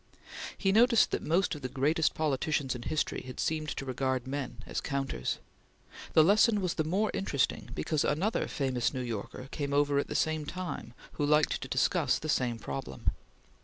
He noticed that most of the greatest politicians in history had seemed to regard men as counters. The lesson was the more interesting because another famous New Yorker came over at the same time who liked to discuss the same problem.